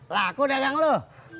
lah aku udah jang lo